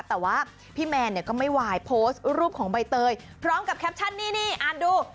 แต่ว่าพี่แมนเนี่ยก็ไม่ไหวโพสต์รูปของใบเตยพร้อมกับแคปชั่นนี่อ่านดู